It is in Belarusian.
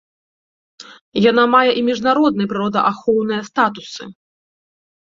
Яна мае і міжнародныя прыродаахоўныя статусы.